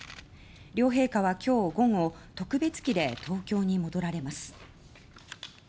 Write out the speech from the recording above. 両陛下は今日午後特別機で東京に戻られます。